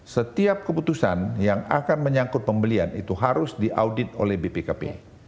setiap keputusan yang akan menyangkut pembelian itu harus diaudit oleh bpkp